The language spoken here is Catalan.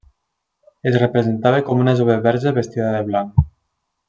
Es representava com una jove verge vestida de blanc.